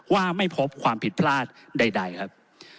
ว่าไม่พบความผิดพลาดใดครับ